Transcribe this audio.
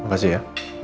ya makasih ya